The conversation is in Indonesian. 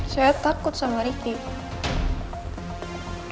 saya takut sama riki